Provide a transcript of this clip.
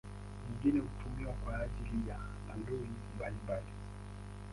Nyingine hutumiwa kwa ajili ya aloi mbalimbali.